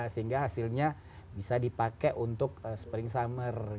sehingga hasilnya bisa dipakai untuk spring summer